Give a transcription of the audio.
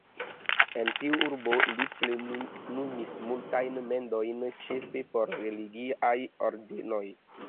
En tiu urbo li plenumis multajn mendojn, ĉefe por religiaj ordenoj.